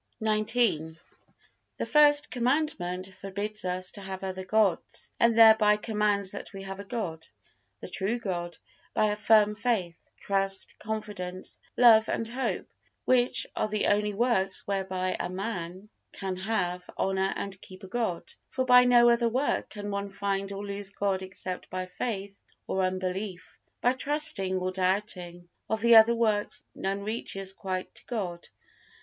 XIX. The First Commandment forbids us to have other gods, and thereby commands that we have a God, the true God, by a firm faith, trust, confidence, hope and love, which are the only works whereby a man can have, honor and keep a God; for by no other work can one find or lose God except by faith or unbelief, by trusting or doubting; of the other works none reaches quite to God.